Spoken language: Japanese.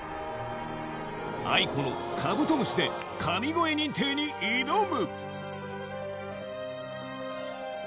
ａｉｋｏ の『カブトムシ』で神声認定に挑む